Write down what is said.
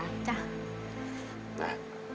มา